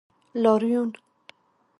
لاریون